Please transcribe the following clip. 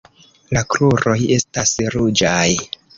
La kruroj estas ruĝaj.